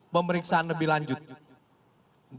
pemeriksaan lebih lanjut